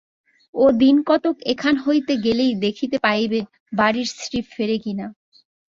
ও দিনকতক এখান হইতে গেলেই দেখিতে পাইবে, বাড়ির শ্রী ফেরে কি না!